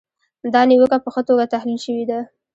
دا نیوکه په ښه توګه تحلیل شوې ده.